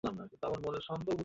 Sir, অন্য কিছু দিন।